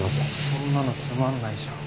そんなのつまんないじゃん。